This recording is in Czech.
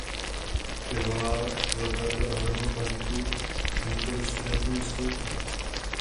Vyvolá v letadle ohromnou paniku a několik studentů vystoupí.